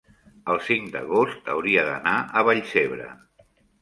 el cinc d'agost hauria d'anar a Vallcebre.